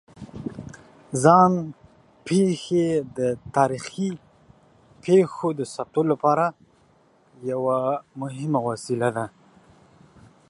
ځان پېښې د تاریخي پېښو د ثبتولو لپاره یوه مهمه وسیله ده.